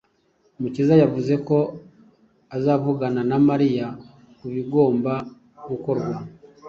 Mukiza yavuze ko azavugana na Mariya ku bigomba gukorwa.